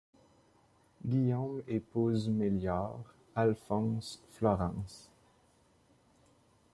Guillaume épouse Melior, Alphonse Florence.